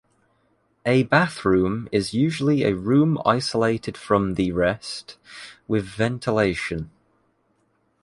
A bathroom is usually a room isolated from the rest, with ventilation.